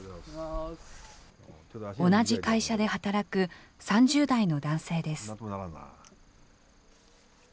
同じ会社で働く３０代の男性です。